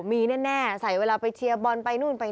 มีแน่ใส่เวลาไปเชียบอนไปนู้นไปนี่